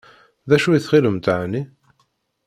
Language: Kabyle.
D acu i tɣilemt εni?